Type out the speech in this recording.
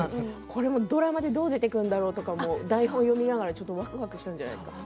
これがドラマで、どう出てくるんだろうと台本を読みながらわくわくしたんじゃないですか。